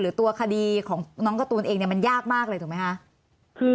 หรือตัวคดีของน้องการ์ตูนเองเนี่ยมันยากมากเลยถูกไหมคะ